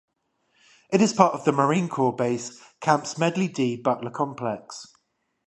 It is part of the Marine Corps Base Camp Smedley D. Butler complex.